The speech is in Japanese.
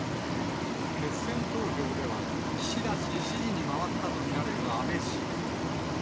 決選投票では、岸田氏支持に回ったと見られる安倍氏。